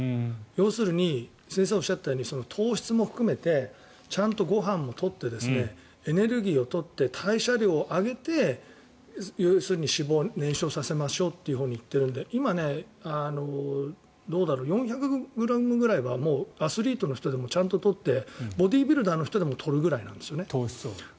要するに先生がおっしゃったように糖質も含めてちゃんとご飯も取ってエネルギーを取って代謝量を上げて脂肪を燃焼させましょうという方向にいっているので今、４００ｇくらいはアスリートの人でもちゃんと取ってボディービルダーの人でも取るくらいなんですね。